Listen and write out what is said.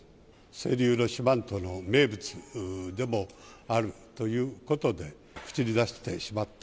清流の四万十の名物でもあるということで、口に出してしまった。